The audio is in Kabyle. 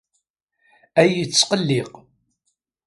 Ay yettqelliq.